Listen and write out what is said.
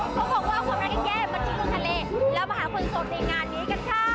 เขาบอกว่าความรักแย่มาทิ้งลงทะเลแล้วมาหาคนโสดในงานนี้กันค่ะ